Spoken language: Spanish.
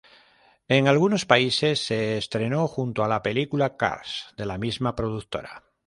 En algunos países se estrenó junto a la película Cars, de la misma productora.